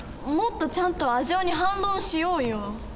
もっとちゃんとアジオに反論しようよ。